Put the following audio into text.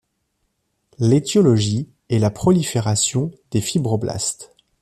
L'étiologie est la prolifération des fibroblastes.